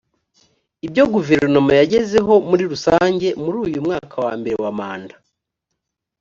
ibyo guverinoma yagezeho muri rusange muri uyu mwaka wa mbere wa manda